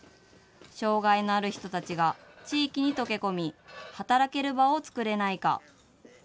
障害のある人たちが地域に溶け込み、働ける場を作れないか。